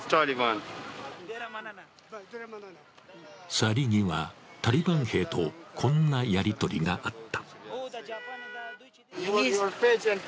去り際、タリバン兵とこんなやり取りがあった。